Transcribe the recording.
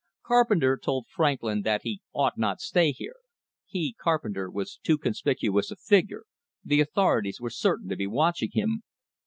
Carpenter told Franklin that he ought not stay here; he, Carpenter, was too conspicuous a figure, the authorities were certain to be watching him.